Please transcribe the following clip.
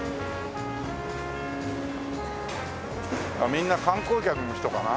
みんな観光客の人かな？